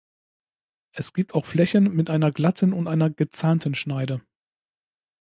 Es gibt auch Flächen mit einer glatten und einer gezahnten Schneide.